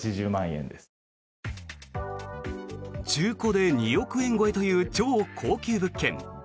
中古で２億円超えという超高級物件。